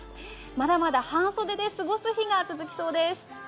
まだまだ半袖で過ごす日が続きそうです。